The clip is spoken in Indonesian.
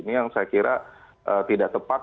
ini yang saya kira tidak tepat